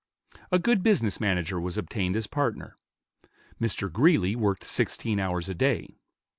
A good business manager was obtained as partner. Mr. Greeley worked sixteen hours a day.